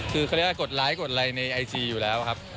คือเขาเรียกว่ากดไลค์กดไลค์ในไอจีอยู่แล้วครับ